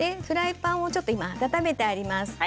フライパンを温めています。